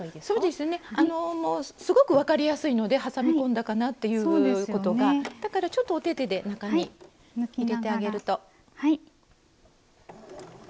そうですねすごく分かりやすいので挟み込んだかなということがだからちょっとおててで中に入れてあげると。